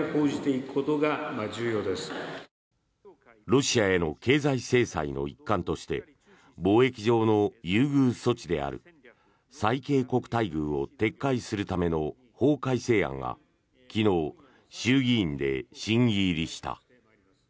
ロシアへの経済制裁の一環として貿易上の優遇措置である最恵国待遇を撤回するための法改正案が昨日衆議院で審議入りした。